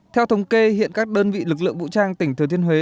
theo thống kê hiện các đơn vị lực lượng vũ trang tỉnh thừa thiên huế